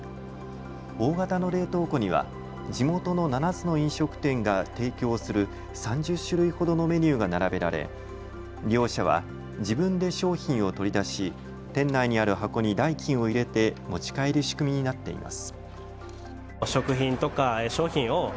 大型の冷凍庫には地元の７つの飲食店が提供する３０種類ほどのメニューが並べられ利用者は自分で商品を取り出し店内にある箱に代金を入れて、持ち帰る仕組みになっています。